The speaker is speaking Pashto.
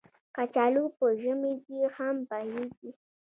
کچالو په ژمي کې هم پخېږي